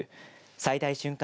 最大瞬間